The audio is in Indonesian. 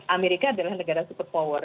amerika adalah negara super power